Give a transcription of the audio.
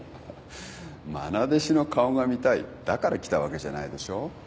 まな弟子の顔が見たいだから来たわけじゃないでしょ。